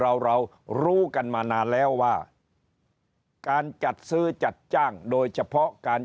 เราเรารู้กันมานานแล้วว่าการจัดซื้อจัดจ้างโดยเฉพาะการ